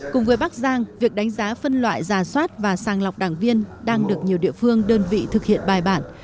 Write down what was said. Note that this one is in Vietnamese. cùng với bắc giang việc đánh giá phân loại giả soát và sàng lọc đảng viên đang được nhiều địa phương đơn vị thực hiện bài bản